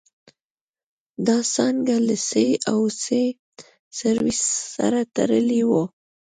دا څانګه له سي او سي سرویسس سره تړلې وه.